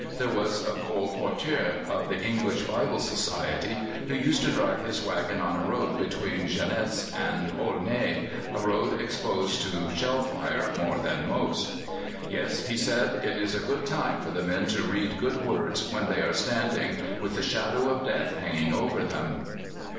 There was a colporteur of the English Bible Society who used to drive his waggon on a road between Gonesse and Aulnay, a road exposed to shell fire more than most. "Yes," he said, "it is a good time for the men to read good words when they are standing with the shadow of death hanging over them."